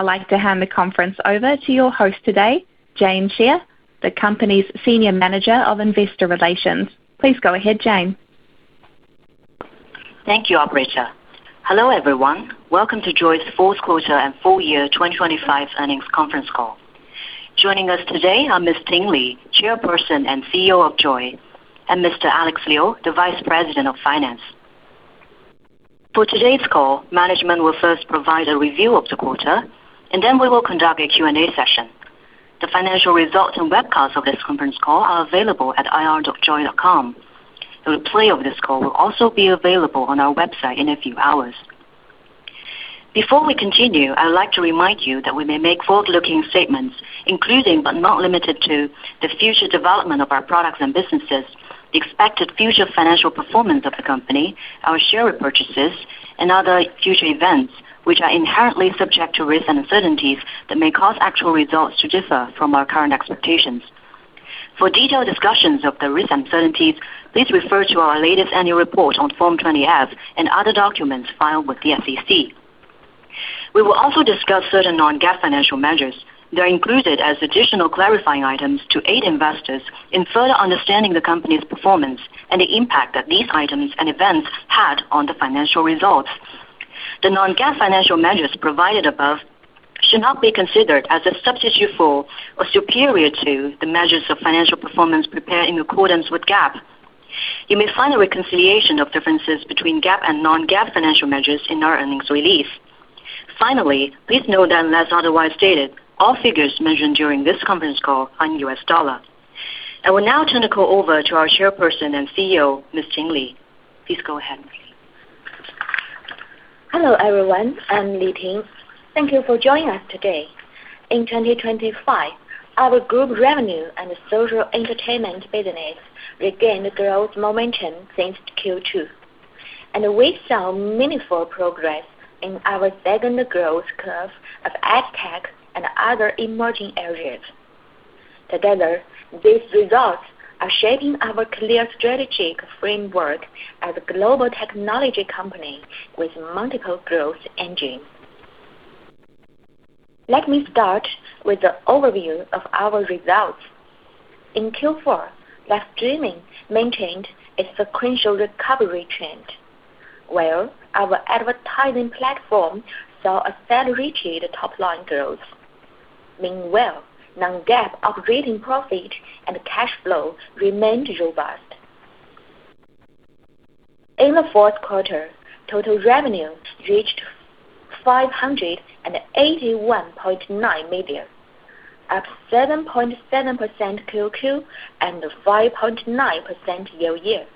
I'd like to hand the conference over to your host today, Jane Xie, the company's Senior Manager of Investor Relations. Please go ahead, Jane. Thank you, operator. Hello, everyone. Welcome to JOYY's 4th quarter and full year 2025 earnings conference call. Joining us today are Ms. Ting Li, Chairperson and CEO of JOYY, and Mr. Alex Liu, the Vice President of Finance. For today's call, management will first provide a review of the quarter, and then we will conduct a Q&A session. The financial results and webcasts of this conference call are available at ir.joyy.com. The replay of this call will also be available on our website in a few hours. Before we continue, I'd like to remind you that we may make forward-looking statements, including, but not limited to the future development of our products and businesses, the expected future financial performance of the company, our share repurchases, and other future events, which are inherently subject to risks and uncertainties that may cause actual results to differ from our current expectations. For detailed discussions of the risks and uncertainties, please refer to our latest annual report on Form 20-F and other documents filed with the SEC. We will also discuss certain non-GAAP financial measures. They are included as additional clarifying items to aid investors in further understanding the company's performance and the impact that these items and events had on the financial results. The non-GAAP financial measures provided above should not be considered as a substitute for or superior to the measures of financial performance prepared in accordance with GAAP. You may find a reconciliation of differences between GAAP and non-GAAP financial measures in our earnings release. Finally, please note that unless otherwise stated, all figures mentioned during this conference call are in U.S. dollar. I will now turn the call over to our Chairperson and CEO, Ms. Ting Li. Please go ahead. Hello, everyone. I'm Ting Li. Thank you for joining us today. In 2025, our group revenue and social entertainment business regained growth momentum since Q2. We saw meaningful progress in our second growth curve of AdTech and other emerging areas. Together, these results are shaping our clear strategic framework as a global technology company with multiple growth engines. Let me start with the overview of our results. In Q4, live streaming maintained its sequential recovery trend, while our advertising platform saw accelerated top-line growth. Meanwhile, non-GAAP operating profit and cash flow remained robust. In the 4th quarter, total revenue reached $581.9 million, up 7.7% QoQ and 5.9% year-over-year,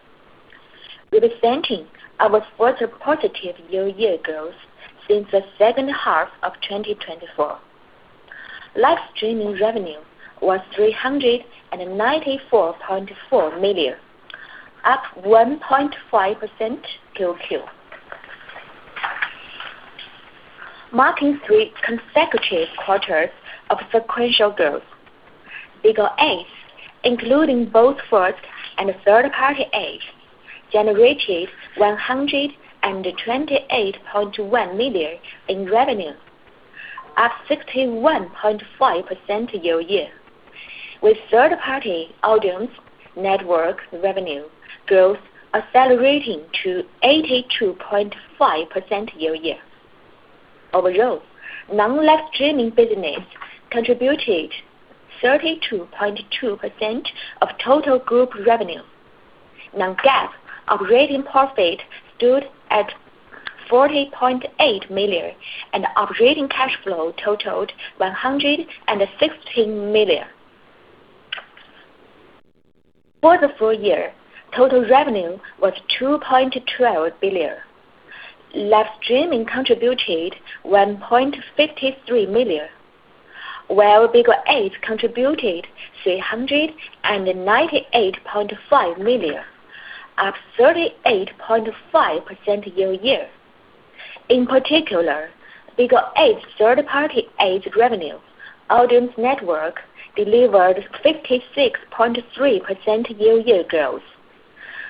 representing our fourth positive year-over-year growth since the second half of 2024. Live streaming revenue was $394.4 million, up 1.5% QoQ. Marking three consecutive quarters of sequential growth. BIGO Ads, including both first and third-party ads, generated $128.1 million in revenue, up 61.5% year-over-year, with third-party audience network revenue growth accelerating to 82.5% year-over-year. Overall, non-live streaming business contributed 32.2% of total group revenue. non-GAAP operating profit stood at $40.8 million, and operating cash flow totaled $116 million. For the full year, total revenue was $2.12 billion. Live streaming contributed $1.53 billion, while BIGO Ads contributed $398.5 million, up 38.5% year-over-year. In particular, BIGO Ads third-party ads revenue audience network delivered 56.3% year-over-year growth.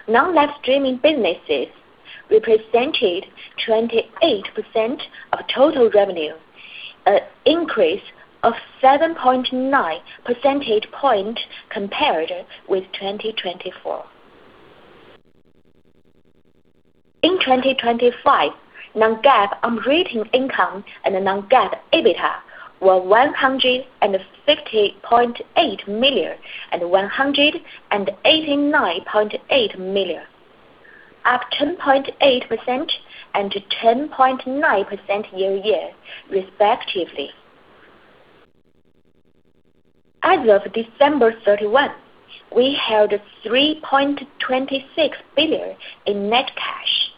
Non-live streaming businesses represented 28% of total revenue, an increase of 7.9 percentage point compared with 2024. In 2025, non-GAAP operating income and non-GAAP EBITDA were $150.8 million and $189.8 million, up 10.8% and 10.9% year-over-year respectively. As of December 31, we held $3.26 billion in net cash.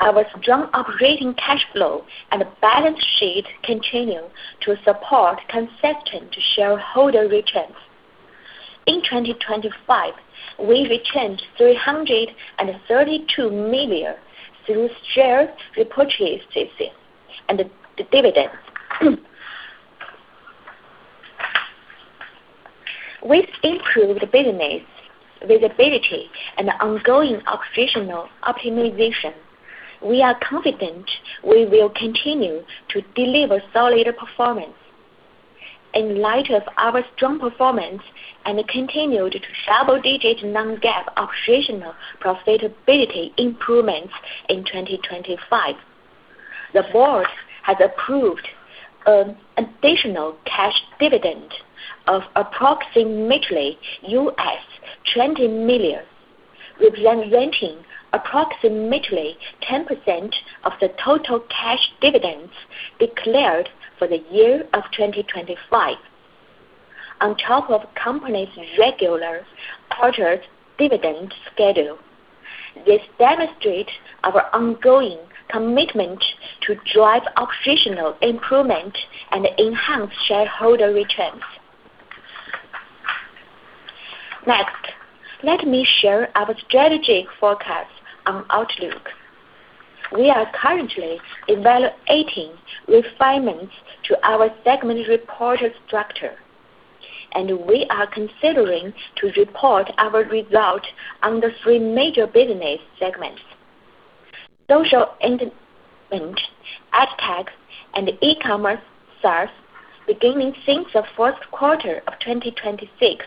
Our strong operating cash flow and balance sheet continue to support consistent shareholder returns. In 2025, we returned $332 million through share repurchases and dividend. With improved business visibility and ongoing operational optimization, we are confident we will continue to deliver solid performance. In light of our strong performance and continued double-digit non-GAAP operational profitability improvements in 2025, the board has approved additional cash dividend of approximately $20 million, representing approximately 10% of the total cash dividends declared for the year of 2025. On top of company's regular quarter dividend schedule, this demonstrates our ongoing commitment to drive operational improvement and enhance shareholder returns. Next, let me share our strategic forecast on outlook. We are currently evaluating refinements to our segment reporting structure, and we are considering to report our result on the three major business segments, social entertainment, ad tech, and e-commerce service beginning since the 1st quarter of 2026.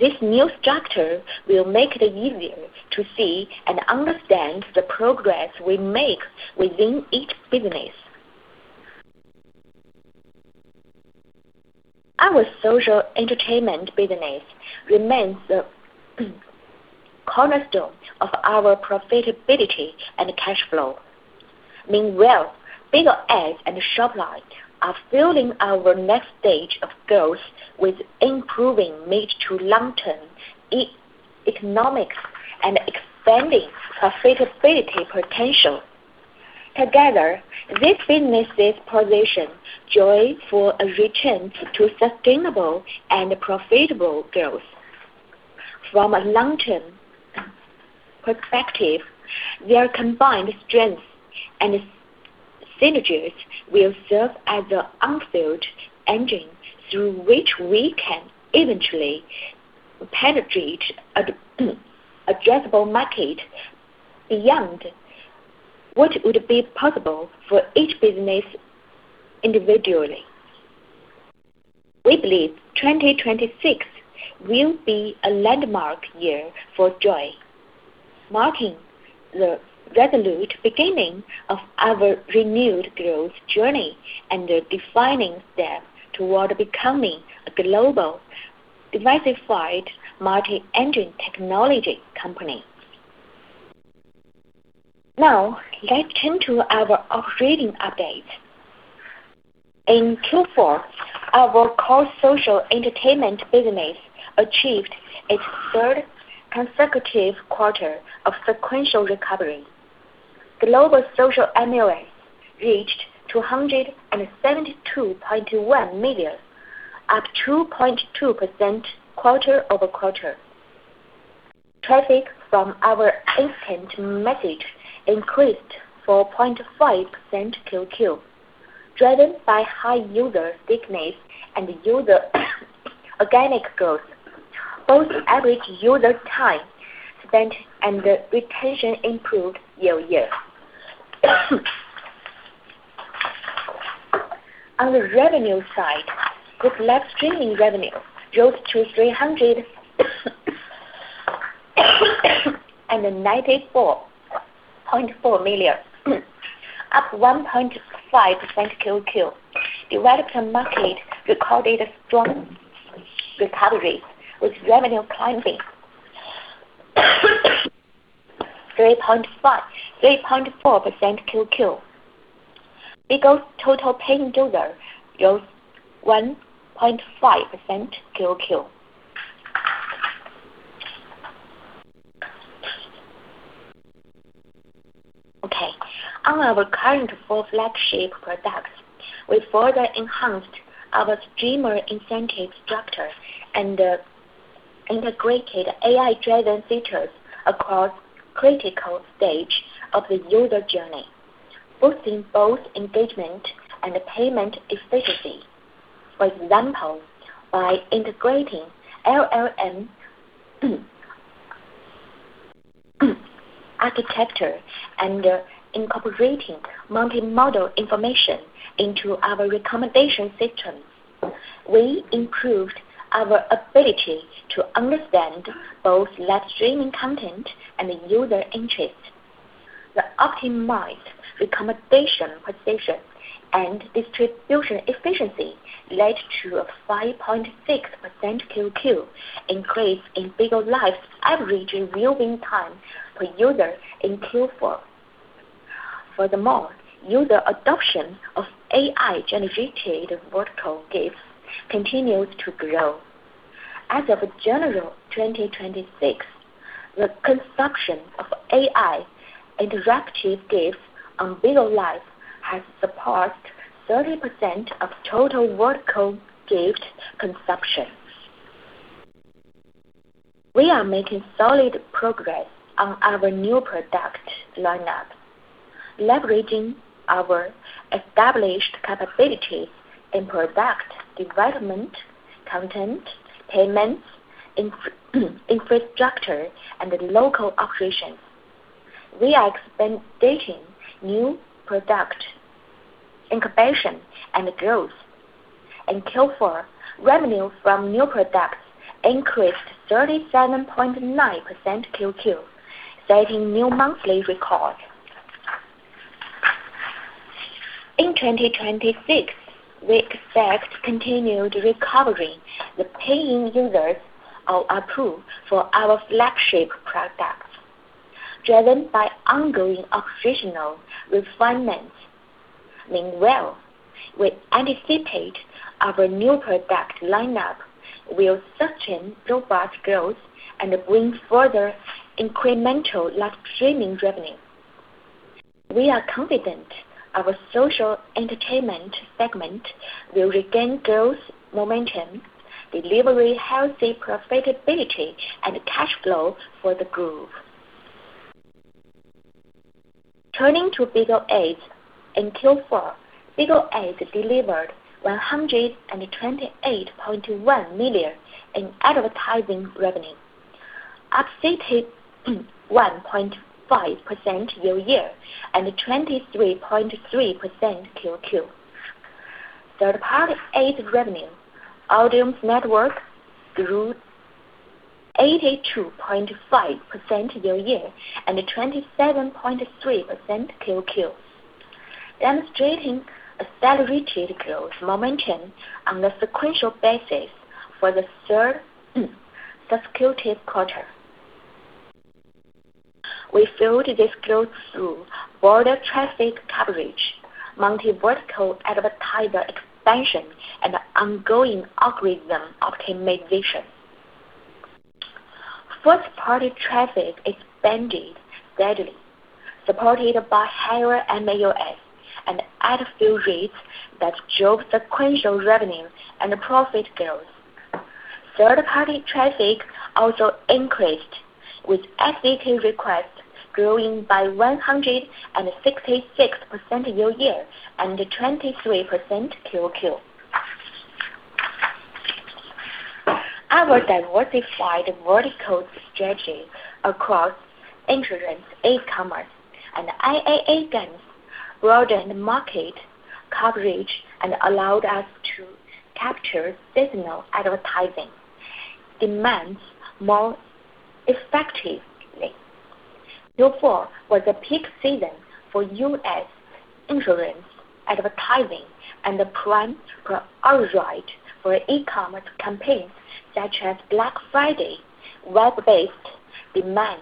This new structure will make it easier to see and understand the progress we make within each business. Our social entertainment business remains the cornerstone of our profitability and cash flow. Meanwhile, BIGO Ads and SHOPLINE are fueling our next stage of growth with improving mid to long-term economics and expanding profitability potential. Together, these businesses position JOYY for a return to sustainable and profitable growth. From a long-term perspective, their combined strengths and synergies will serve as the unfailing engine through which we can eventually penetrate addressable market beyond what would be possible for each business individually. We believe 2026 will be a landmark year for JOYY, marking the resolute beginning of our renewed growth journey and the defining step toward becoming a global diversified multi-engine technology company. Now, let's turn to our operating update. In Q4, our core social entertainment business achieved its third consecutive quarter of sequential recovery. Global social MAUs reached 272.1 million, up 2.2% quarter-over-quarter. Traffic from our instant message increased 4.5% QoQ, driven by high user thickness and user organic growth. Both average user time spent and retention improved year-over-year. On the revenue side, live streaming revenue rose to $394.4 million, up 1.5% QoQ. The American market recorded a strong recovery, with revenue climbing 3.4% QoQ. BIGO's total paying users rose 1.5% QoQ. Okay, on our current four flagship products, we further enhanced our streamer incentive structure and integrated AI-driven features across critical stage of the user journey, boosting both engagement and payment efficiency. For example, by integrating LLM architecture and incorporating multi-model information into our recommendation system, we improved our ability to understand both live streaming content and user interest. The optimized recommendation precision and distribution efficiency led to a 5.6% QoQ increase in BIGO LIVE's average viewing time per user in Q4. Furthermore, user adoption of AI-generated vertical gifts continues to grow. As of January 2026, the consumption of AI interactive gifts on BIGO LIVE has surpassed 30% of total vertical gift consumption. We are making solid progress on our new product lineup, leveraging our established capability in product development, content, payments, infrastructure, and local operations. We are expanding new product incubation and growth. In Q4, revenue from new products increased 37.9% QoQ, setting new monthly record. In 2026, we expect continued recovery with paying users of apps for our flagship products, driven by ongoing operational refinements. Meanwhile, we anticipate our new product lineup will sustain robust growth and bring further incremental live streaming revenue. We are confident our social entertainment segment will regain growth momentum, delivering healthy profitability and cash flow for the group. Turning to BIGO. In Q4, BIGO delivered $128.1 million in advertising revenue, up 61.5% year-over-year and 23.3% QoQ. Third-party ad revenue Audience Network grew 82.5% year-over-year and 27.3% QoQ, demonstrating accelerated growth momentum on a sequential basis for the third consecutive quarter. We fueled this growth through broader traffic coverage, multi-vertical advertiser expansion, and ongoing algorithm optimization. First-party traffic expanded steadily, supported by higher MAUs and ad fill rates that drove sequential revenue and profit growth. Third-party traffic also increased, with SDK requests growing by 166% year-over-year and 23% QoQ. Our diversified vertical strategy across insurance, e-commerce, and IAA games broadened market coverage and allowed us to capture seasonal advertising demands more effectively. Q4 was a peak season for U.S. insurance, advertising, and primarily for e-commerce campaigns such as Black Friday. Web-based demand,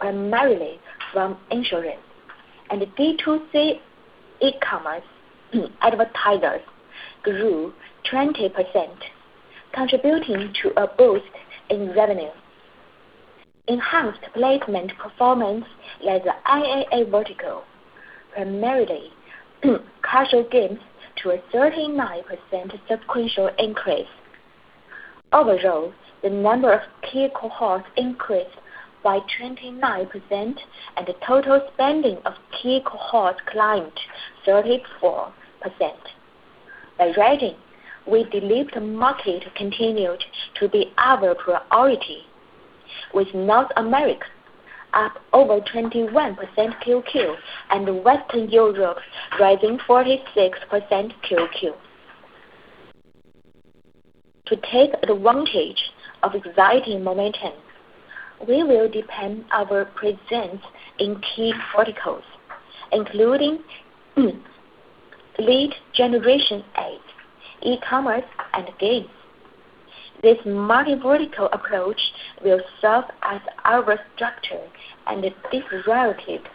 primarily from insurance and D2C e-commerce advertisers grew 20%, contributing to a boost in revenue. Enhanced placement performance led the IAA vertical, primarily casual games, to a 39% sequential increase. Overall, the number of key cohorts increased by 29%, and the total spending of key cohorts climbed 34%. By region, we believe the market continued to be our priority, with North America up over 21% QoQ and Western Europe rising 46% QoQ. To take advantage of existing momentum, we will deepen our presence in key verticals, including lead generation ads, e-commerce, and games. This multi-vertical approach will serve as our structure and a differentiated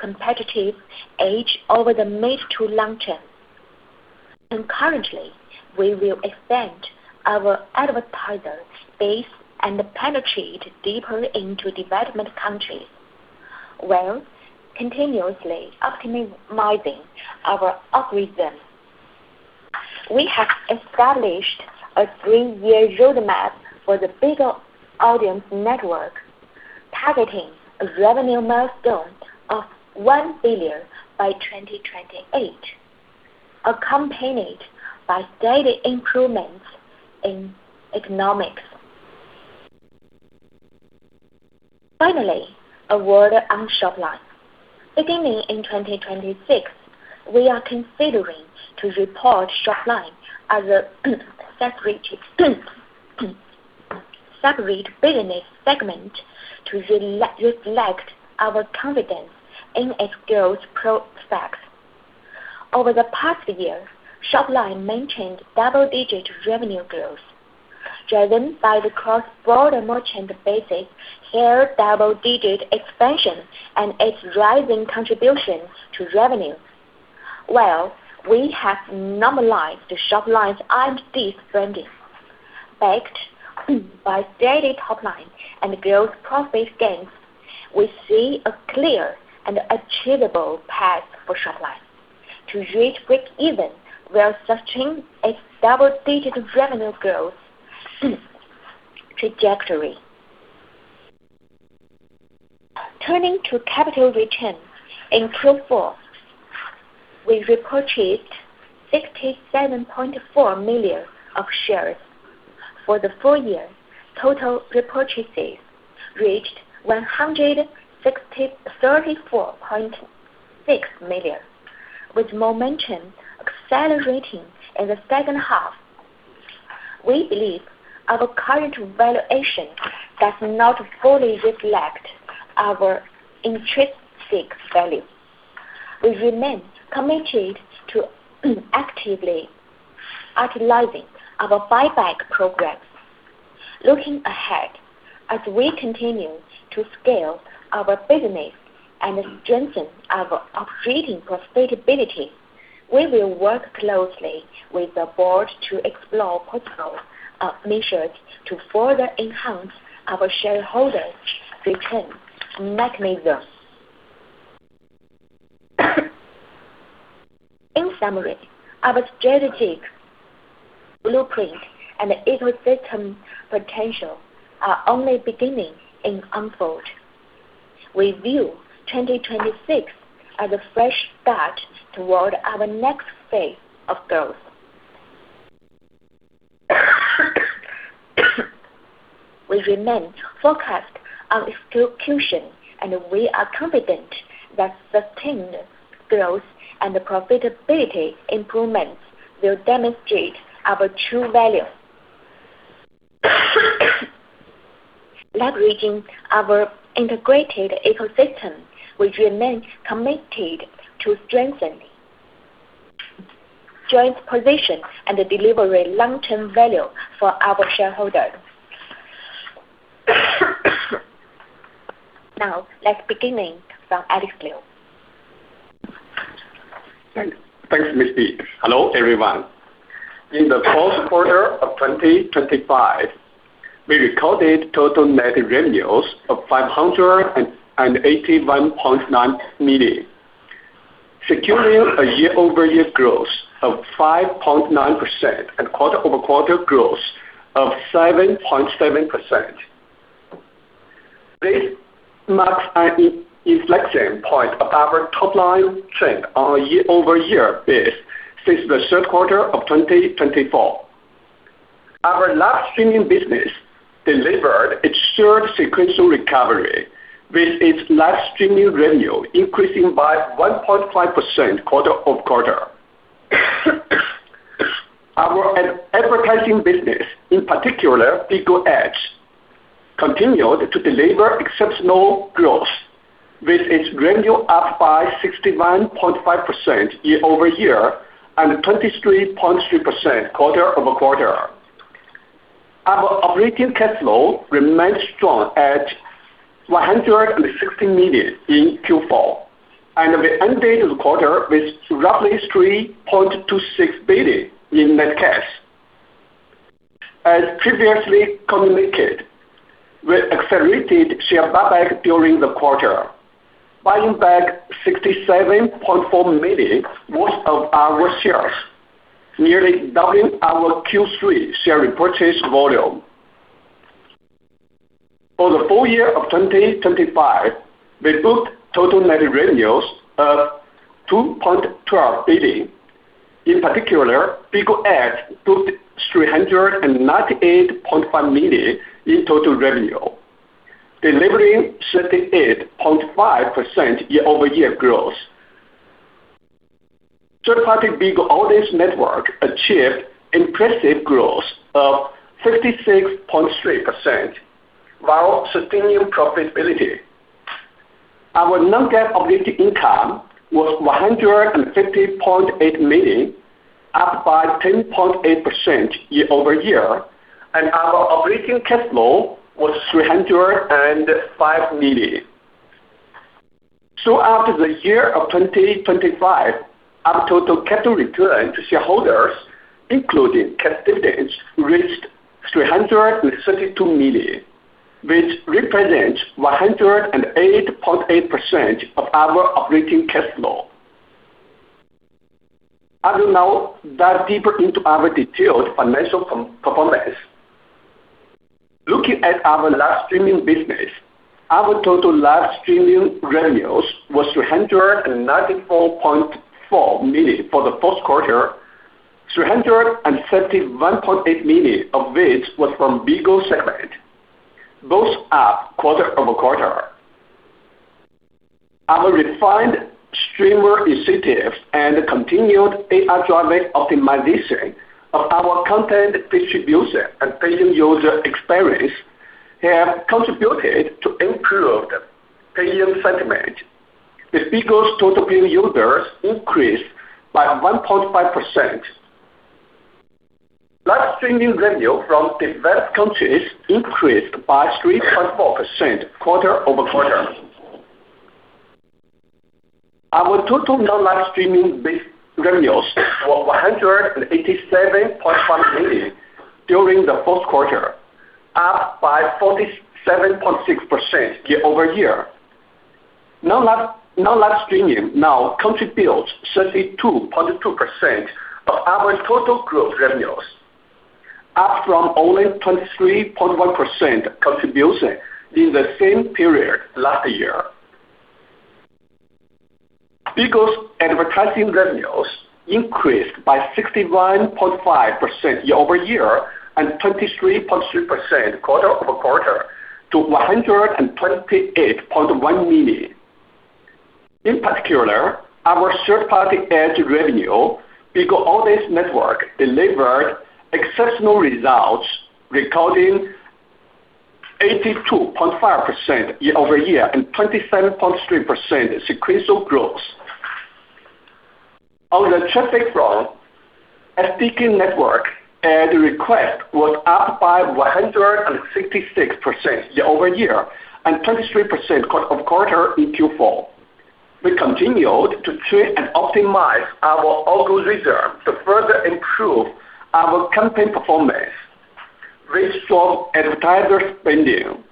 competitive edge over the mid to long term. Concurrently, we will expand our advertiser base and penetrate deeper into developing countries, while continuously optimizing our algorithm. We have established a three-year roadmap for the BIGO Audience Network, targeting a revenue milestone of $1 billion by 2028, accompanied by steady improvements in economics. Finally, a word on SHOPLINE. Beginning in 2026, we are considering to report SHOPLINE as a separate business segment to reflect our confidence in its growth prospects. Over the past year, SHOPLINE maintained double-digit revenue growth, driven by the cross-border merchant base year double-digit expansion and its rising contributions to revenue. While we have normalized SHOPLINE's R&D spending, backed by steady top line and growth profit gains, we see a clear and achievable path for SHOPLINE to reach breakeven while sustaining a double-digit revenue growth trajectory. Turning to capital return. In Q4, we repurchased 67.4 million shares. For the full year, total repurchases reached 134.6 million, with momentum accelerating in the second half. We believe our current valuation does not fully reflect our intrinsic value. We remain committed to actively utilizing our buyback programs. Looking ahead, as we continue to scale our business and strengthen our operating profitability, we will work closely with the board to explore possible measures to further enhance our shareholder return mechanism. In summary, our strategic blueprint and ecosystem potential are only beginning to unfold. We view 2026 as a fresh start toward our next phase of growth. We remain focused on execution, and we are confident that sustained growth and profitability improvements will demonstrate our true value. Leveraging our integrated ecosystem, we remain committed to strengthening joint positions and delivering long-term value for our shareholders. Now let's begin from Alex Liu. Thanks, Ms. Li. Hello, everyone. In the 4th quarter of 2025, we recorded total net revenues of $581.9 million, securing a year-over-year growth of 5.9% and quarter-over-quarter growth of 7.7%. This marks an inflection point of our top line trend on a year-over-year base since the 3rd quarter of 2024. Our live streaming business delivered its third sequential recovery, with its live streaming revenue increasing by 1.5% quarter over quarter. Our advertising business, in particular BIGO Ads, continued to deliver exceptional growth, with its revenue up by 61.5% year-over-year and 23.3% quarter over quarter. Our operating cash flow remained strong at $160 million in Q4, and we ended the quarter with roughly $3.26 billion in net cash. As previously communicated, we accelerated share buyback during the quarter, buying back $67.4 million worth of our shares, nearly doubling our Q3 share repurchase volume. For the full year of 2025, we booked total net revenues of $2.12 billion. In particular, BIGO Ads booked $398.5 million in total revenue, delivering 38.5% year-over-year growth. Third-party BIGO Audience Network achieved impressive growth of 56.3% while sustaining profitability. Our non-GAAP operating income was $150.8 million, up by 10.8% year-over-year, and our operating cash flow was $305 million. After the year of 2025, our total cash return to shareholders, including cash dividends, reached $332 million, which represents 108.8% of our operating cash flow. I will now dive deeper into our detailed financial performance. Looking at our live streaming business, our total live streaming revenues was $394.4 million for the 1st quarter, $331.8 million of which was from BIGO segment, both up quarter-over-quarter. Our refined streamer initiatives and continued AI-driven optimization of our content distribution and paying user experience have contributed to improved paying sentiment, with BIGO's total paying users increased by 1.5%. Live streaming revenue from developed countries increased by 3.4% quarter-over-quarter. Our total non-live streaming revenues were $187.5 million during the 1st quarter. up by 47.6% year-over-year. Non-live, non-live streaming now contributes 32.2% of our total Group revenues, up from only 23.1% contribution in the same period last year. BIGO's advertising revenues increased by 61.5% year-over-year and 23.3% quarter-over-quarter to $128.1 million. In particular, our third-party ad revenue, BIGO Audience Network, delivered exceptional results recording 82.5% year-over-year and 27.3% sequential growth. On the traffic front, SDK network ad request was up by 166% year-over-year and 23% quarter-over-quarter in Q4. We continued to train and optimize our algorithms to further improve our campaign performance with strong advertiser spending.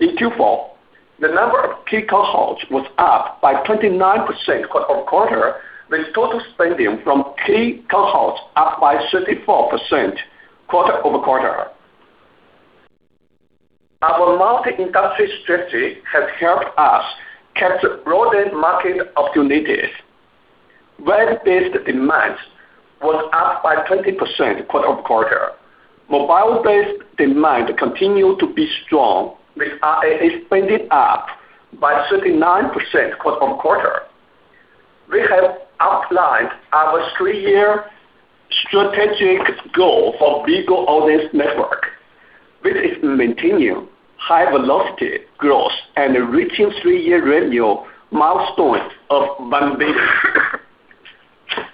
In Q4, the number of key cohorts was up by 29% quarter-over-quarter, with total spending from key cohorts up by 34% quarter-over-quarter. Our multi-industry strategy has helped us capture broader market opportunities. Web-based demand was up by 20% quarter-over-quarter. Mobile-based demand continued to be strong, with ad spending up by 39% quarter-over-quarter. We have outlined our three-year strategic goal for BIGO Audience Network, which is maintaining high velocity growth and reaching three-year revenue milestones of $1 billion.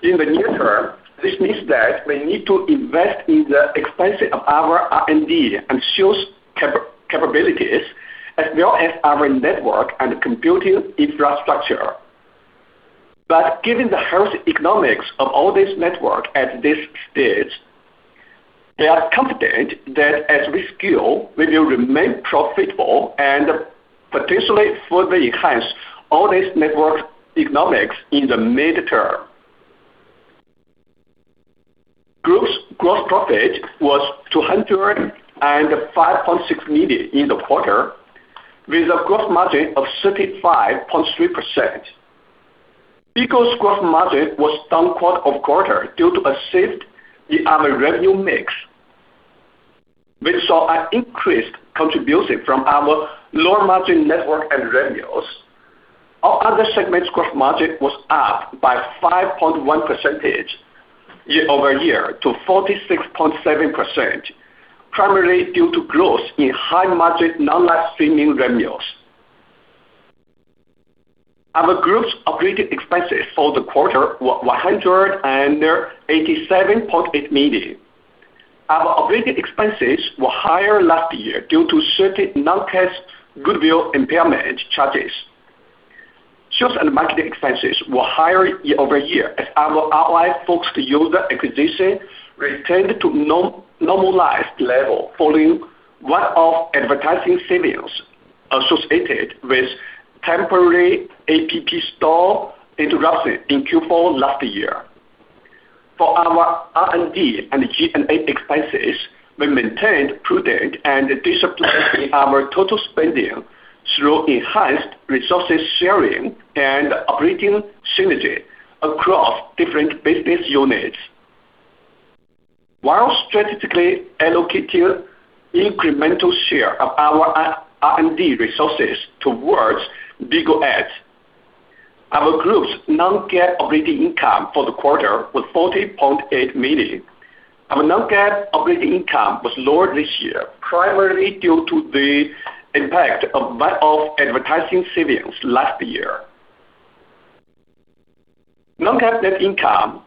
In the near term, this means that we need to invest in the expansion of our R&D and sales capabilities, as well as our network and computing infrastructure. Given the healthy economics of BIGO Audience Network at this stage, we are confident that as we scale, we will remain profitable and potentially further enhance BIGO Audience Network economics in the mid-term. Group's gross profit was $205.6 million in the quarter, with a gross margin of 35.3%. BIGO's gross margin was down quarter-over-quarter due to a shift in our revenue mix, which saw an increased contribution from our lower-margin network ad revenues. Our other segments' gross margin was up by 5.1% year-over-year to 46.7%, primarily due to growth in high-margin non-live streaming revenues. Our group's operating expenses for the quarter were $187.8 million. Our operating expenses were higher last year due to certain non-cash goodwill impairment charges. Sales and marketing expenses were higher year-over-year as our ROI-focused user acquisition returned to normalized level following one-off advertising savings associated with temporary App Store interruption in Q4 last year. For our R&D and G&A expenses, we maintained prudent and disciplined in our total spending through enhanced resources sharing and operating synergy across different business units. While strategically allocating incremental share of our R&D resources towards BIGO Ads, our Group's non-GAAP operating income for the quarter was $40.8 million. Our non-GAAP operating income was lower this year, primarily due to the impact of one-off advertising savings last year. Non-GAAP net income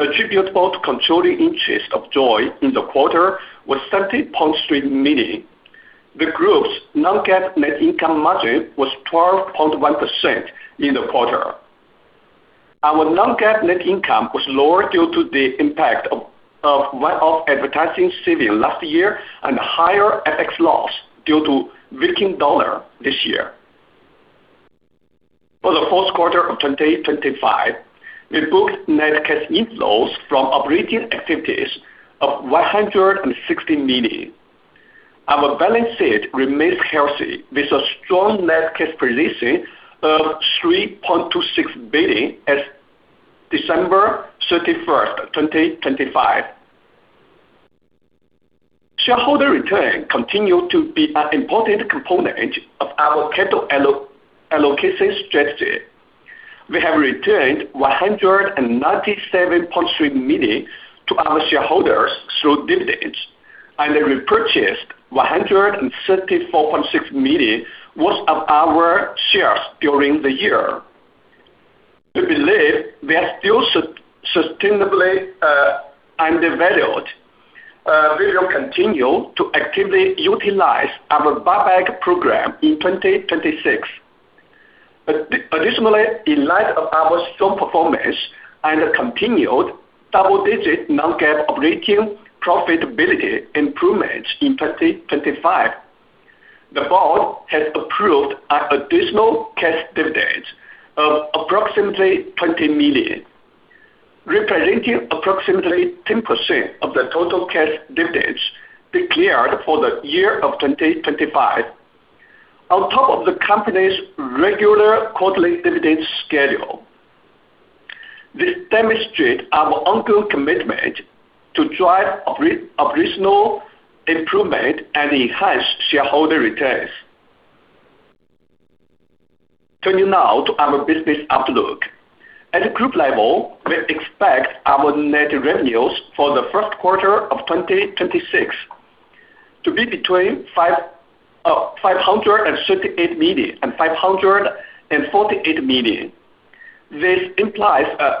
attributable to controlling interest of JOYY in the quarter was $30.3 million. The Group's non-GAAP net income margin was 12.1% in the quarter. Our non-GAAP net income was lower due to the impact of one-off advertising savings last year and higher FX loss due to weakening US dollar this year. For the 4th quarter of 2025, we booked net cash inflows from operating activities of $160 million. Our balance sheet remains healthy, with a strong net cash position of $3.26 billion as of December 31, 2025. Shareholder return continued to be an important component of our capital allocation strategy. We have returned $197.3 million to our shareholders through dividends, and we repurchased $134.6 million worth of our shares during the year. We believe we are still sustainably undervalued. We will continue to actively utilize our buyback program in 2026. Additionally, in light of our strong performance and continued double-digit non-GAAP operating profitability improvements in 2025, the board has approved an additional cash dividend of approximately $20 million, representing approximately 10% of the total cash dividends declared for the year of 2025 on top of the company's regular quarterly dividend schedule. This demonstrates our ongoing commitment to drive operational improvement and enhance shareholder returns. Turning now to our business outlook. At the group level, we expect our net revenues for the 1st quarter of 2026 to be between $538 million and $548 million. This implies an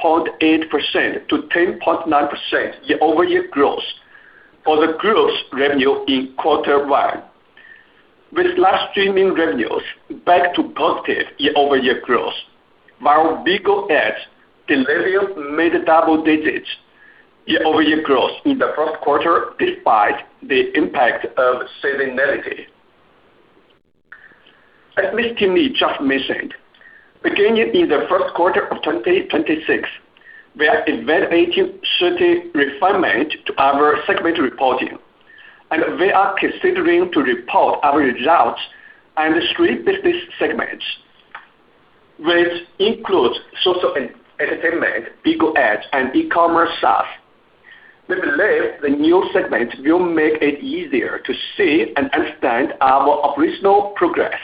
8.8%-10.9% year-over-year growth for the group's revenue in quarter one, with live streaming revenues back to positive year-over-year growth, while BIGO Ads delivers mid-double digits year-over-year growth in the 1st quarter despite the impact of seasonality. As Ms. Li just mentioned, beginning in the 1st quarter of 2026, we are evaluating certain refinements to our segment reporting, and we are considering to report our results under three business segments, which includes social entertainment, BIGO Ads, and e-commerce SaaS. We believe the new segments will make it easier to see and understand our operational progress,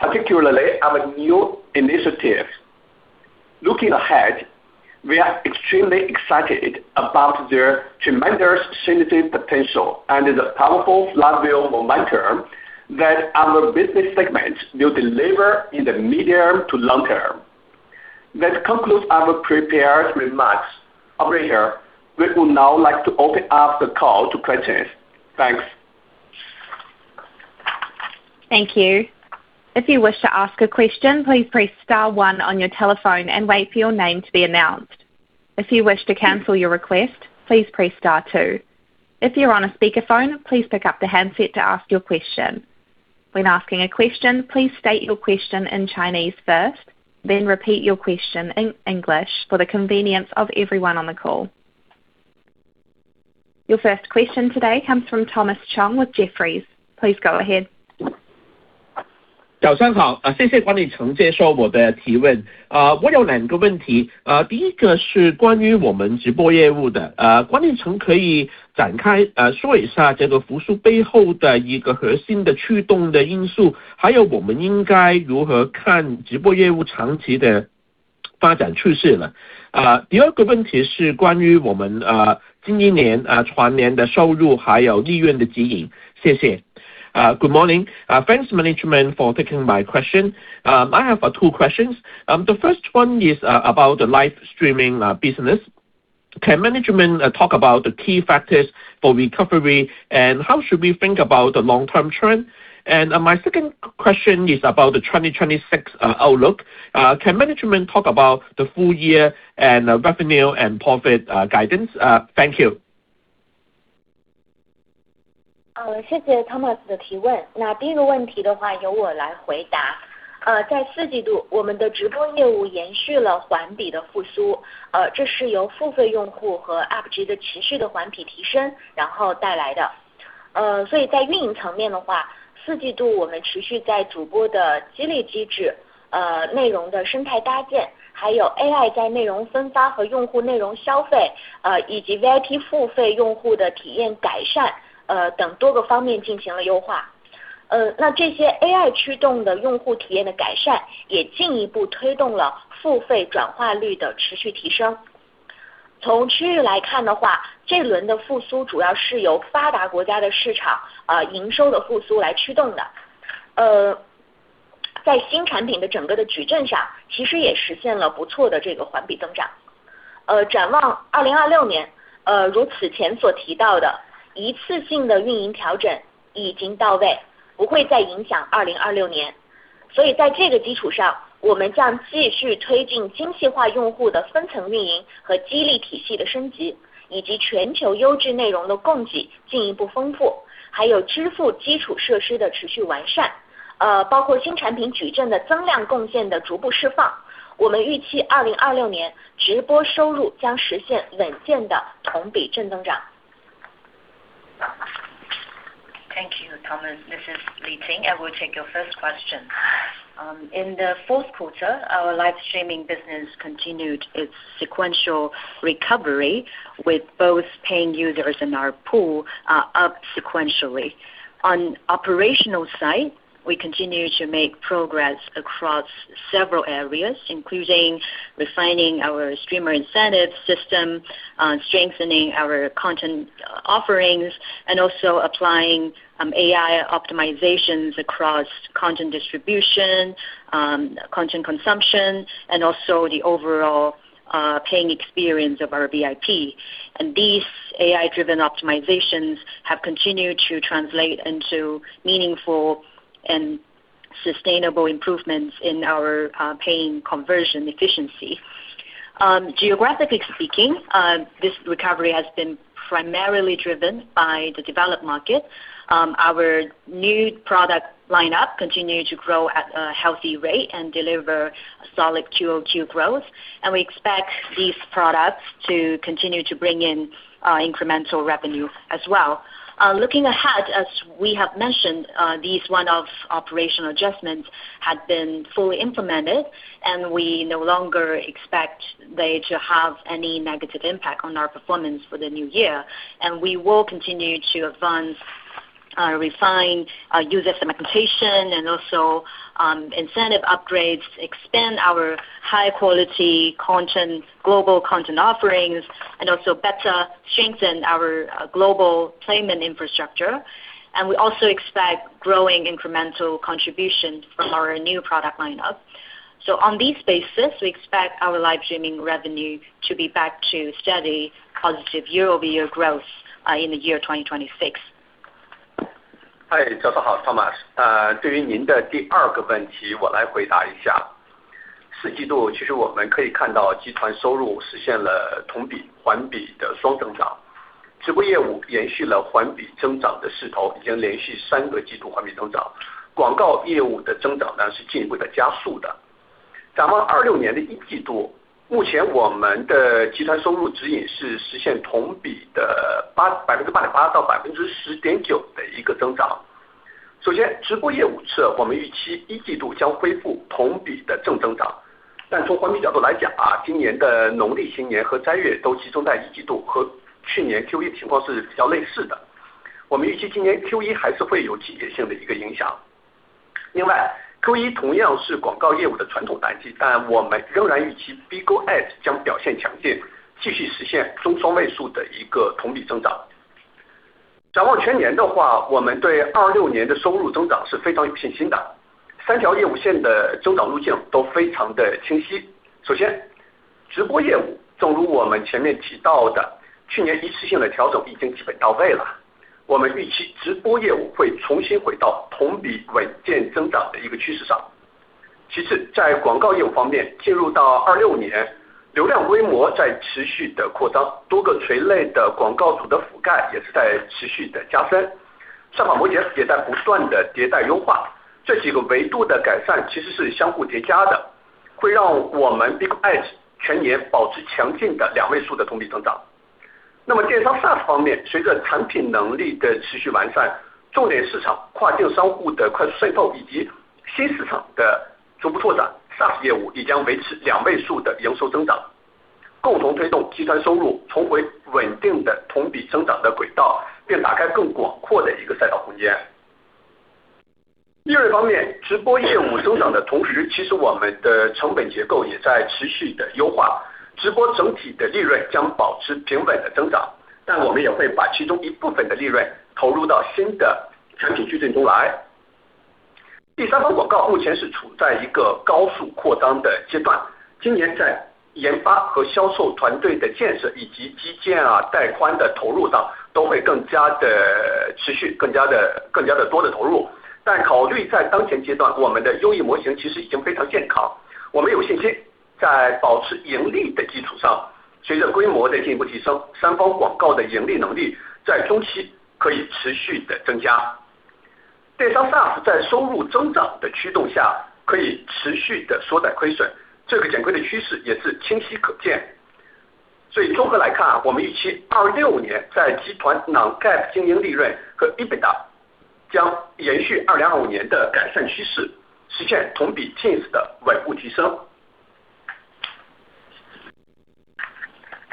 particularly our new initiatives. Looking ahead, we are extremely excited about their tremendous synergy potential and the powerful flywheel momentum that our business segments will deliver in the medium to long term. That concludes our prepared remarks. Operator, we would now like to open up the call to questions. Thanks. Thank you. If you wish to ask a question, please press star one on your telephone and wait for your name to be announced. If you wish to cancel your request, please press star two. If you're on a speakerphone, please pick up the handset to ask your question. When asking a question, please state your question in Chinese first, then repeat your question in English for the convenience of everyone on the call. Your first question today comes from Thomas Chong with Jefferies. Please go ahead. Good morning. Thanks management for taking my question. I have two questions. The first one is about the live streaming business. Can management talk about the key factors for recovery, and how should we think about the long-term trend? Ting Li. I will take your first question. In the 4th quarter, our live streaming business continued its sequential recovery with both paying users in our pool up sequentially. On operational side, we continue to make progress across several areas, including refining our streamer incentive system, strengthening our content offerings, and also applying AI optimizations across content distribution, content consumption, and also the overall paying experience of our VIP. These AI-driven optimizations have continued to translate into meaningful and sustainable improvements in our paying conversion efficiency. Geographically speaking, this recovery has been primarily driven by the developed market. Our new product lineup continue to grow at a healthy rate and deliver solid QoQ growth, and we expect these products to continue to bring in incremental revenue as well. Looking ahead, as we have mentioned, these one-off operational adjustments had been fully implemented, and we no longer expect they to have any negative impact on our performance for the new year. We will continue to advance our refined user segmentation, and also incentive upgrades, expand our high-quality content, global content offerings, and also better strengthen our global payment infrastructure. We also expect growing incremental contributions from our new product lineup. On these basis, we expect our live streaming revenue to be back to steady, positive year-over-year growth in the year 2026. Hi, 大家好, Thomas.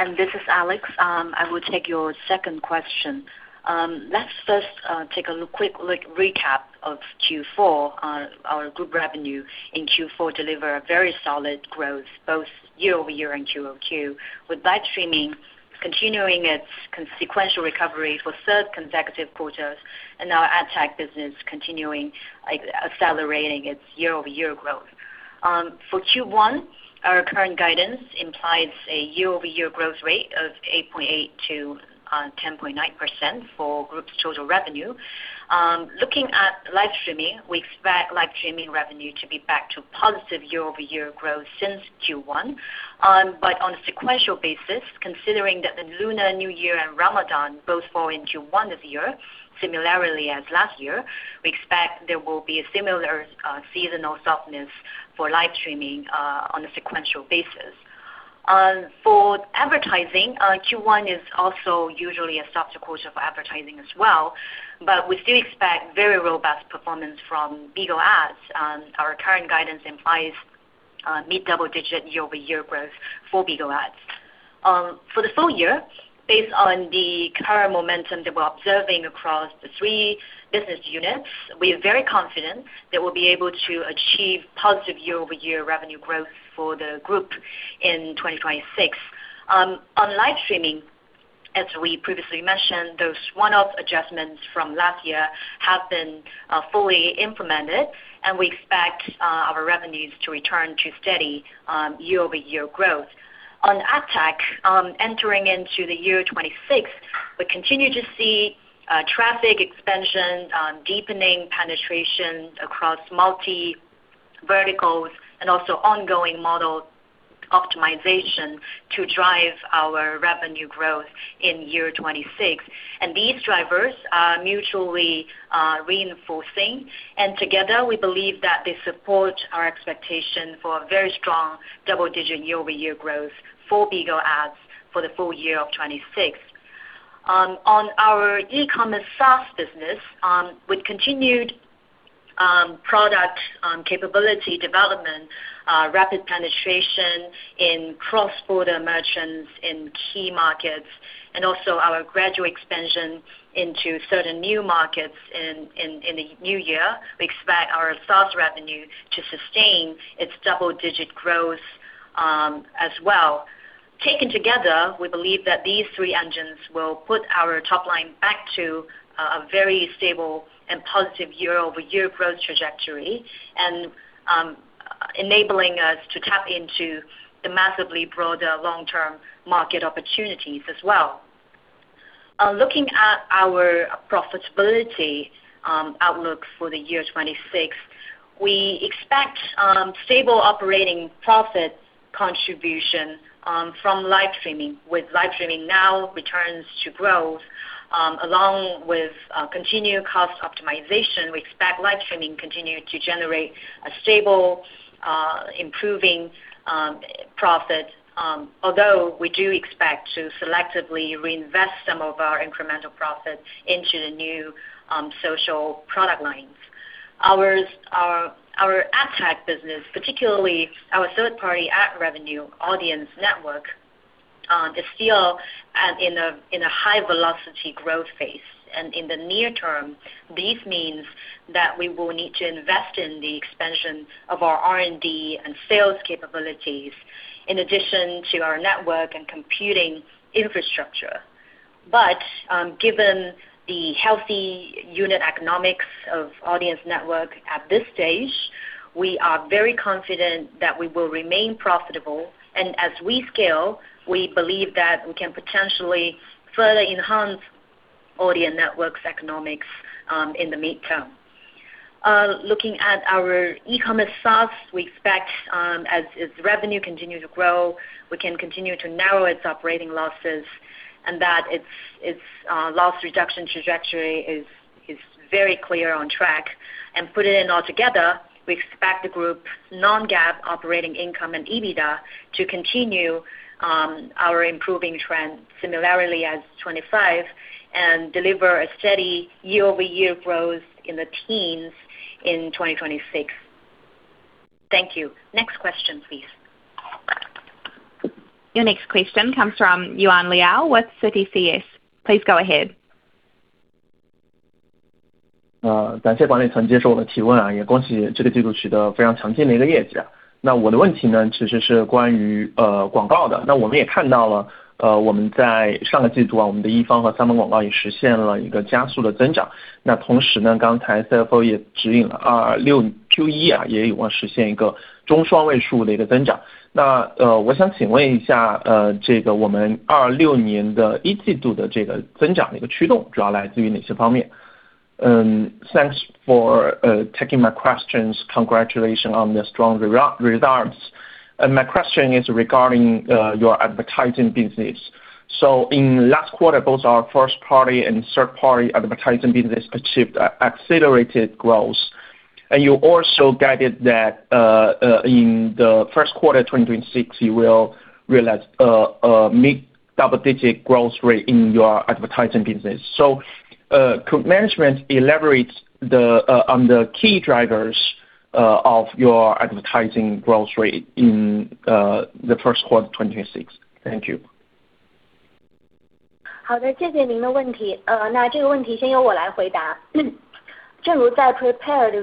This is Alex. I will take your second question. Let's first take a quick recap of Q4. Our group revenue in Q4 delivered a very solid growth, both year-over-year and QoQ, with live streaming continuing its sequential recovery for third consecutive quarters, and our AdTech business continuing, like, accelerating its year-over-year growth. For Q1, our current guidance implies a year-over-year growth rate of 8.8%-10.9% for group total revenue. Looking at live streaming, we expect live streaming revenue to be back to positive year-over-year growth since Q1. On a sequential basis, considering that the Lunar New Year and Ramadan both fall into one this year, similarly as last year, we expect there will be a similar, seasonal softness for live streaming, on a sequential basis. For advertising, Q1 is also usually a softer quarter for advertising as well, but we still expect very robust performance from BIGO Ads. Our current guidance implies, mid-double-digit year-over-year growth for BIGO Ads. For the full year, based on the current momentum that we're observing across the three business units, we are very confident that we'll be able to achieve positive year-over-year revenue growth for the group in 2026. On live streaming, as we previously mentioned, those one-off adjustments from last year have been fully implemented, and we expect our revenues to return to steady year-over-year growth. On AdTech, entering into the year 2026, we continue to see traffic expansion, deepening penetration across multi verticals and also ongoing model optimization to drive our revenue growth in 2026. These drivers are mutually reinforcing, and together we believe that they support our expectation for a very strong double-digit year-over-year growth for BIGO Ads for the full year of 2026. On our e-commerce SaaS business, with continued product capability development, rapid penetration in cross-border merchants in key markets and also our gradual expansion into certain new markets in the new year, we expect our SaaS revenue to sustain its double-digit growth as well. Taken together, we believe that these three engines will put our top line back to a very stable and positive year-over-year growth trajectory, and enabling us to tap into the massively broader long-term market opportunities as well. Looking at our profitability outlook for the year 2026, we expect stable operating profit contribution from live streaming, with live streaming now returns to growth, along with continued cost optimization, we expect live streaming continue to generate a stable, improving profit. Although we do expect to selectively reinvest some of our incremental profits into the new social product lines. Our AdTech business, particularly our third-party ad revenue audience network, is still in a high velocity growth phase. In the near term, this means that we will need to invest in the expansion of our R&D and sales capabilities in addition to our network and computing infrastructure. Given the healthy unit economics of audience network at this stage, we are very confident that we will remain profitable. As we scale, we believe that we can potentially further enhance audience network's economics in the midterm. Looking at our e-commerce SaaS, we expect, as its revenue continue to grow, we can continue to narrow its operating losses and that its loss reduction trajectory is very clear on track. Putting it all together, we expect the group non-GAAP operating income and EBITDA to continue our improving trend similarly as 2025 and deliver a steady year-over-year growth in the teens in 2026. Thank you. Next question, please. Your next question comes from Yuan Liao with CITIC Securities. Please go ahead. 感谢管理层接受我的提问，也恭喜这个季度取得非常强劲的业绩。那我的问题其实是关于广告的。我们也看到了，我们在上个季度，我们的一方和三方广告也实现了一个加速的增长。那同时，刚才CFO也指引了26 Q1，也有望实现一个中双位数的增长。那我想请问一下，这个我们26年的一季度的增长的驱动主要来自于哪些方面？Thanks for taking my questions. Congratulations on the strong results. My question is regarding your advertising business. In last quarter, both our first party and third party advertising business achieved accelerated growth. You also guided that in the 1st quarter 2026, you will realize a mid-double digit growth rate in your advertising business. Could management elaborate on the key drivers of your advertising growth rate in the 1st quarter 2026? Thank you. 好的，谢谢您的问题。那这个问题先由我来回答。正如在prepared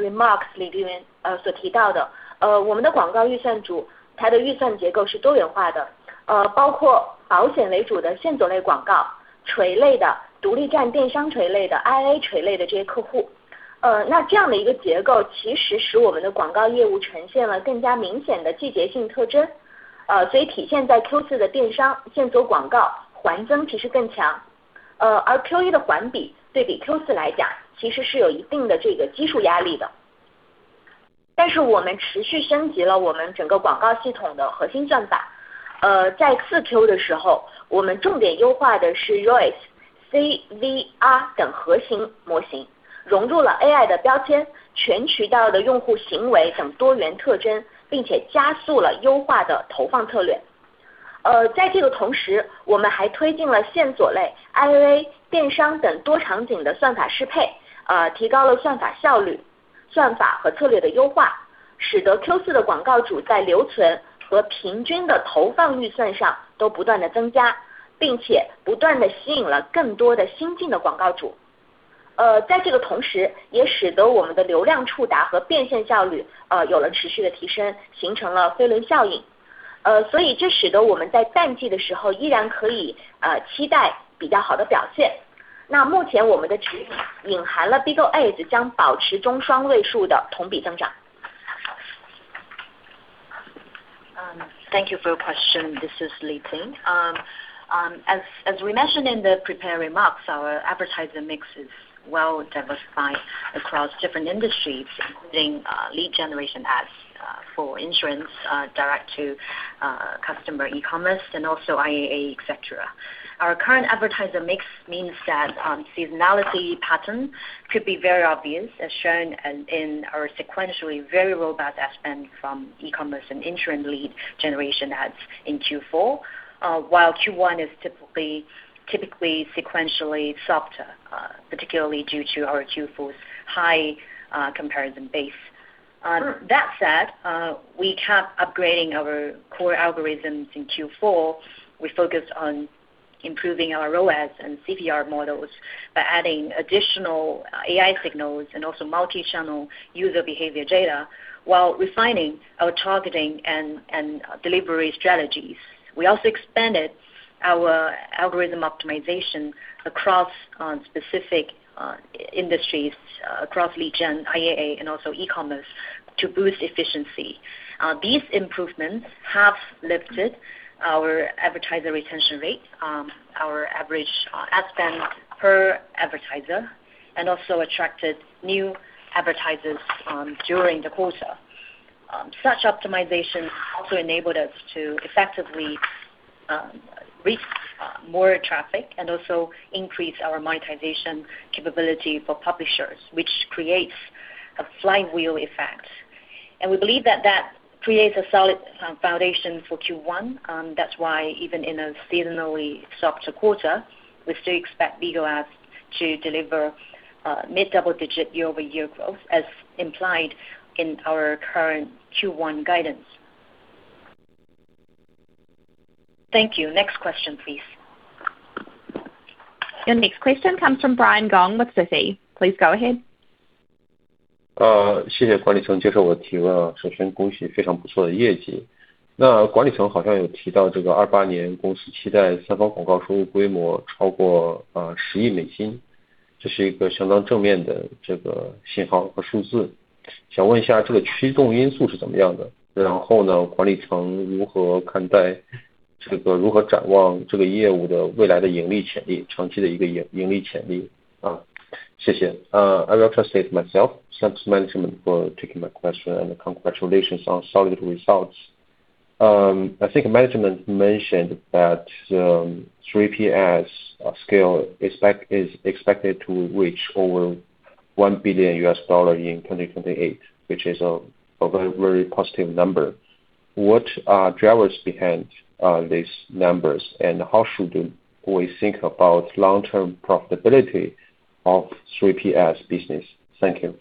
remarks里边所提到的，我们的广告预算组，它的预算结构是多元化的，包括保险为主的线索类广告、垂类的独立站电商垂类的、II垂类的这些客户。那这样的一个结构其实使我们的广告业务呈现了更加明显的季节性特征，所以体现在Q4的电商线索广告环增其实更强，而Q1的环比对比Q4来讲，其实是有一定的这个基数压力的。但是我们持续升级了我们整个广告系统的核心算法。在Q4的时候，我们重点优化的是ROAS、CVR等核心模型，融入了AI的标签、全渠道的用户行为等多元特征，并且加速了优化的投放策略。在这个同时，我们还推进了线索类、II、电商等多场景的算法适配，提高了算法效率，算法和策略的优化，使得Q4的广告主在留存和平均的投放预算上都不断地增加，并且不断地吸引了更多的新进的广告主。在这个同时，也使得我们的流量触达和变现效率有了持续的提升，形成了飞轮效应。所以这使得我们在淡季的时候依然可以期待比较好的表现。那目前我们的指引隐含了BIGO Ads将保持中双位数的同比增长。Thank you for your question. This is Ting Li. As we mentioned in the prepared remarks, our advertiser mix is well diversified across different industries, including lead generation ads for insurance, direct to customer e-commerce, and also IAA, et cetera. Our current advertiser mix means that seasonality patterns could be very obvious, as shown in our sequentially very robust ad spend from e-commerce and insurance lead generation ads in Q4. While Q1 is typically sequentially softer, particularly due to our Q4 high comparison base. That said, we kept upgrading our core algorithms in Q4. We focused on improving our ROAS and CVR models by adding additional AI signals and also multi-channel user behavior data while refining our targeting and delivery strategies. We also expanded our algorithm optimization across specific industries, across lead gen, IAA, and also e-commerce to boost efficiency. These improvements have lifted our advertiser retention rate, our average ad spend per advertiser, and also attracted new advertisers during the quarter. Such optimizations also enabled us to effectively reach more traffic and also increase our monetization capability for publishers, which creates a flywheel effect. We believe that that creates a solid foundation for Q1. That's why even in a seasonally softer quarter, we still expect BIGO Ads to deliver mid-double-digit year-over-year growth, as implied in our current Q1 guidance. Thank you. Next question, please. Your next question comes from Brian Gong with Citi. Please go ahead. Uh. I will translate myself. Thanks, management, for taking my question, and congratulations on solid results. I think management mentioned that, 3P Ads scale is expected to reach over $1 billion in 2028, which is a very positive number. What are drivers behind these numbers, and how should we think about long-term profitability of 3P Ads business? Thank you.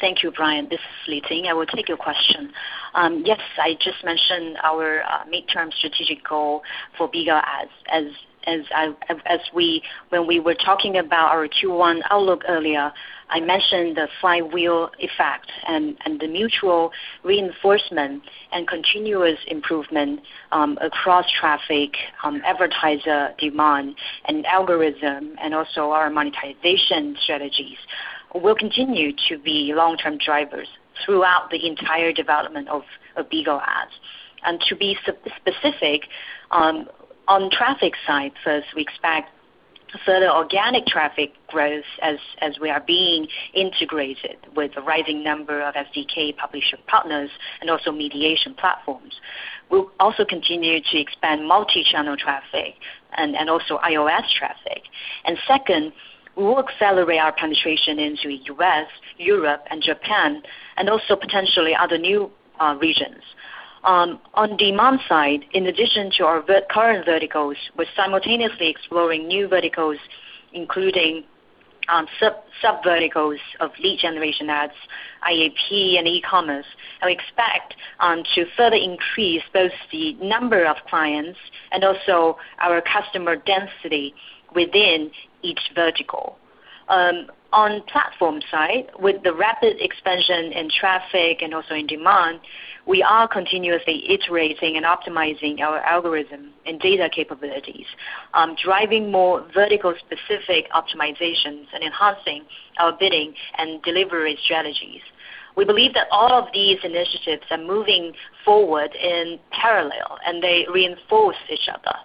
Ads业务持续保持高速增长，非常有信心。Thank you, Brian. This is Ting Li. I will take your question. Yes. I just mentioned our midterm strategic goal for BIGO Ads. As we were talking about our Q1 outlook earlier, I mentioned the flywheel effect and the mutual reinforcement and continuous improvement across traffic, advertiser demand, and algorithm, and also our monetization strategies will continue to be long-term drivers throughout the entire development of BIGO Ads. To be specific, on traffic side, first, we expect further organic traffic growth as we are being integrated with a rising number of SDK publisher partners and also mediation platforms. We'll also continue to expand multi-channel traffic and also iOS traffic. Second, we'll accelerate our penetration into U.S., Europe and Japan, and also potentially other new regions. On demand side, in addition to our current verticals, we're simultaneously exploring new verticals, including sub-verticals of lead generation ads, IAP and e-commerce. We expect to further increase both the number of clients and also our customer density within each vertical. On platform side, with the rapid expansion in traffic and also in demand, we are continuously iterating and optimizing our algorithm and data capabilities, driving more vertical specific optimizations and enhancing our bidding and delivery strategies. We believe that all of these initiatives are moving forward in parallel, and they reinforce each other.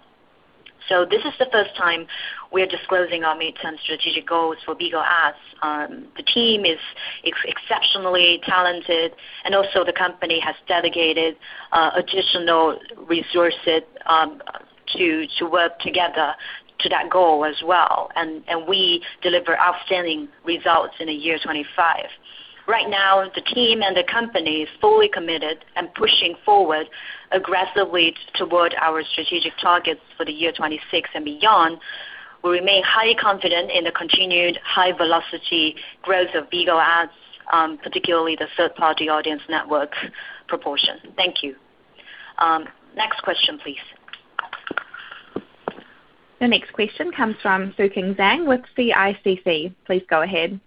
This is the first time we're disclosing our midterm strategic goals for BIGO Ads. The team is exceptionally talented, and also the company has dedicated additional resources to work together to that goal as well. We deliver outstanding results in the year 2025. Right now, the team and the company is fully committed and pushing forward aggressively toward our strategic targets for the year 2026 and beyond. We remain highly confident in the continued high velocity growth of BIGO Ads, particularly the third-party audience network proportion. Thank you. Next question, please. The next question comes from Xueqing Zhang with CICC. Please go ahead.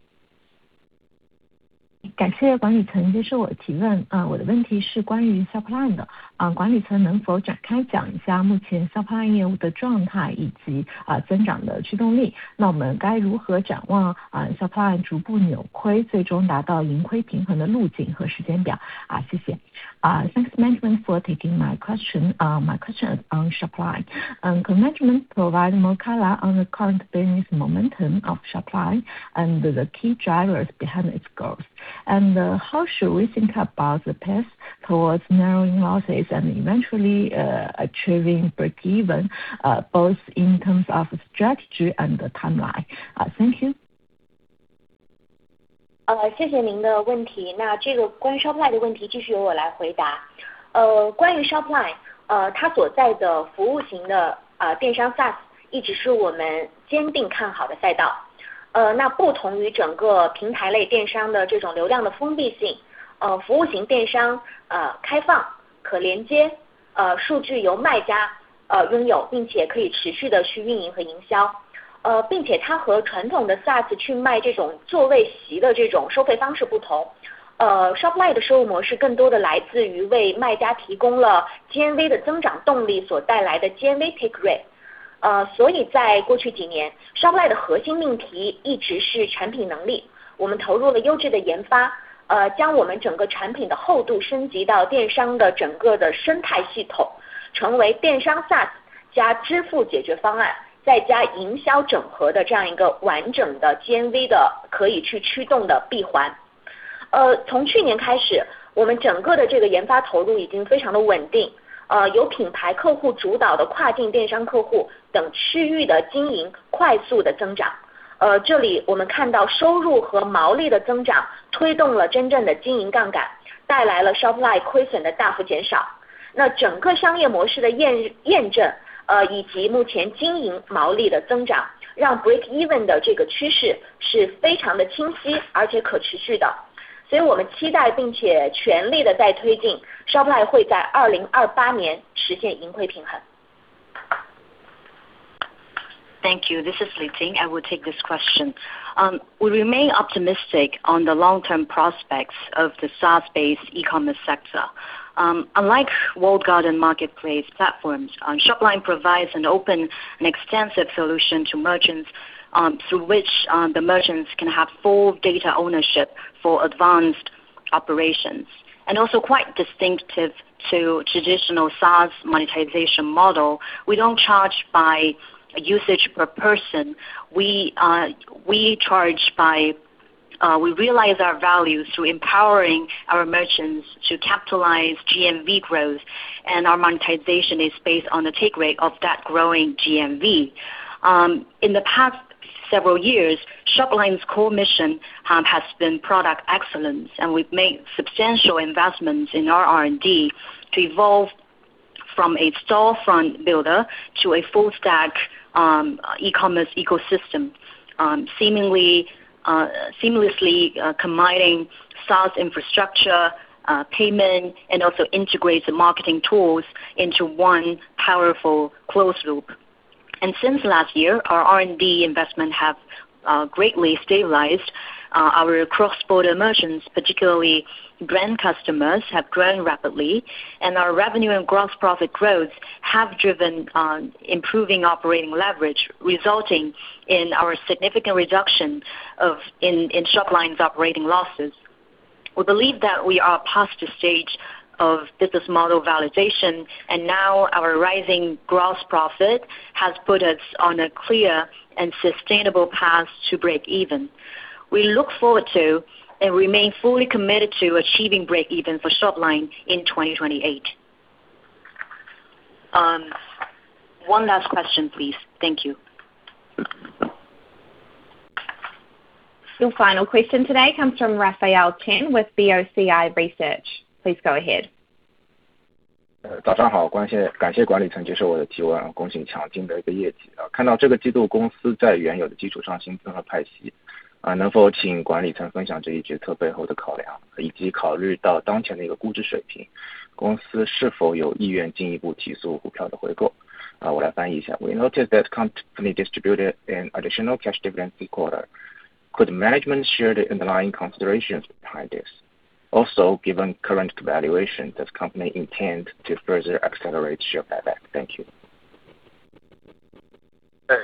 Thanks, management, for taking my question. My question is on SHOPLINE. Can management provide more color on the current business momentum of SHOPLINE and the key drivers behind its growth? How should we think about the path towards narrowing losses and eventually achieving breakeven, both in terms of strategy and the timeline? Thank you. It is our value to empower our merchants to capitalize on GMV growth, and our monetization is based on the take rate of that growing GMV. In the past several years, SHOPLINE's core mission has been product excellence, and we've made substantial investments in our R&D to evolve from a storefront builder to a full stack e-commerce ecosystem, seamlessly combining SaaS infrastructure, payment, and also integrates the marketing tools into one powerful closed loop. Since last year, our R&D investment has greatly stabilized. Our cross-border merchants, particularly brand customers, have grown rapidly, and our revenue and gross profit growth have driven improving operating leverage, resulting in our significant reduction in SHOPLINE's operating losses. We believe that we are past the stage of business model validation, and now our rising gross profit has put us on a clear and sustainable path to breakeven. We look forward to and remain fully committed to achieving break even for SHOPLINE in 2028. One last question, please. Thank you. Your final question today comes from Raphael Chen with BOCI Research. Please go ahead. We noticed that the Company distributed an additional cash dividend this quarter. Could management share the underlying considerations behind this? Also, given current valuation, does the Company intend to further accelerate share buyback? Thank you. Alex.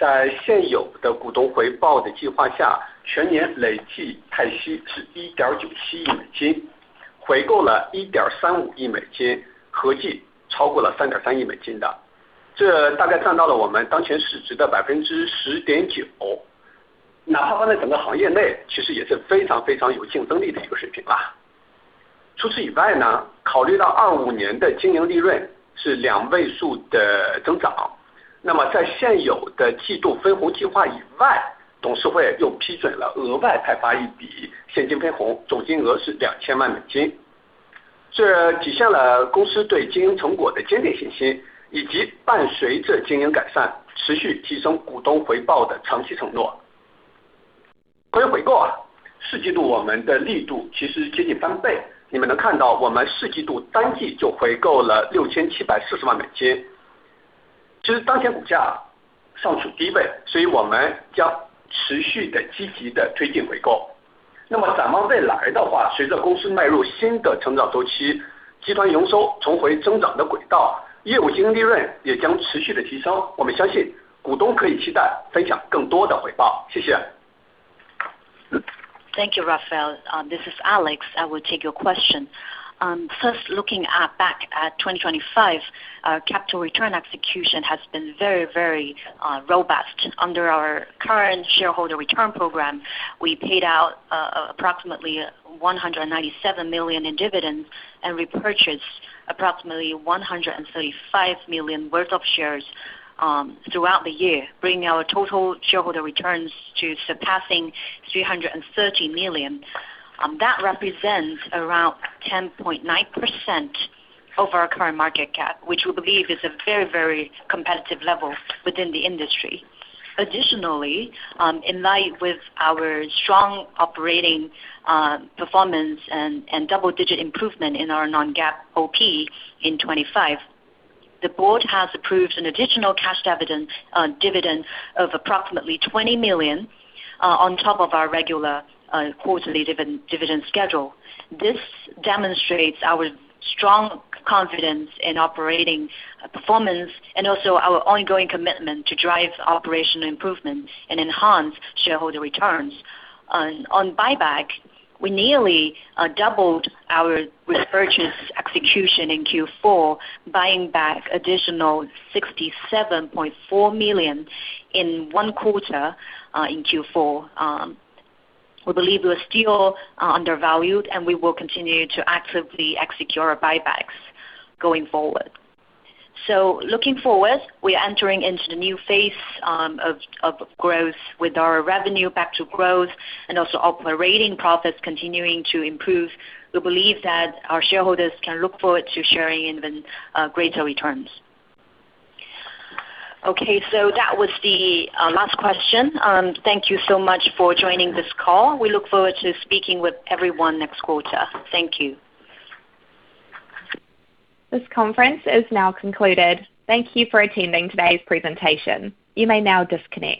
Thank you, Raphael. This is Alex. I will take your question. First, looking back at 2025, our capital return execution has been very robust. Under our current shareholder return program, we paid out approximately $197 million in dividends, and repurchased approximately $135 million worth of shares throughout the year, bringing our total shareholder returns to surpassing $330 million. That represents around 10.9% of our current market cap, which we believe is a very competitive level within the industry. Additionally, in line with our strong operating performance and double-digit improvement in our non-GAAP OP in 2025, the board has approved an additional cash dividend of approximately $20 million on top of our regular quarterly dividend schedule. This demonstrates our strong confidence in operating performance and also our ongoing commitment to drive operational improvement and enhance shareholder returns. On buyback, we nearly doubled our repurchase execution in Q4, buying back additional $67.4 million in one quarter, in Q4. We believe we are still undervalued and we will continue to actively execute our buybacks going forward. Looking forward, we are entering into the new phase of growth with our revenue back to growth and also operating profits continuing to improve. We believe that our shareholders can look forward to sharing even greater returns. Okay, that was the last question. Thank you so much for joining this call. We look forward to speaking with everyone next quarter. Thank you. This conference is now concluded. Thank you for attending today's presentation. You may now disconnect.